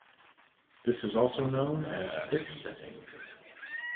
This is also known as bitsetting.